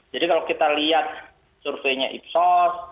jadi kalau kita lihat surveinya ipsos